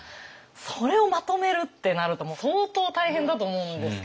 それをまとめるってなるともう相当大変だと思うんですけど。